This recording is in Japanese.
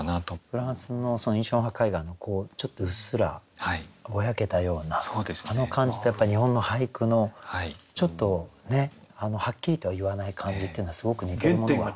フランスの印象派絵画のちょっとうっすらぼやけたようなあの感じと日本の俳句のちょっとねはっきりとは言わない感じっていうのはすごく似てるものが。